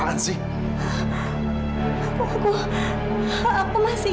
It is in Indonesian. aku aku aku masih